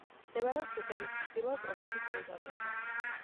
მდებარეობს რუსეთის ჩრდილოეთ ოსეთის ტერიტორიაზე.